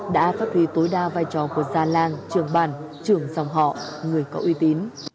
đã phát huy tối đa vai trò của gia làng trường bàn trường dòng họ người có uy tín